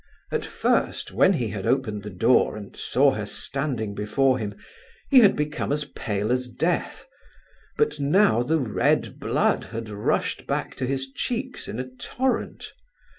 At first, when he had opened the door and saw her standing before him, he had become as pale as death; but now the red blood had rushed back to his cheeks in a torrent.